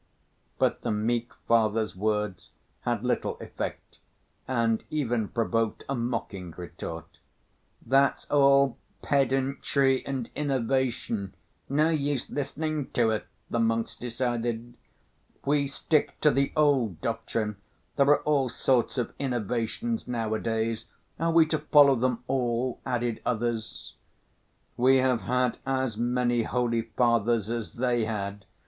But the meek Father's words had little effect and even provoked a mocking retort. "That's all pedantry and innovation, no use listening to it," the monks decided. "We stick to the old doctrine, there are all sorts of innovations nowadays, are we to follow them all?" added others. "We have had as many holy fathers as they had.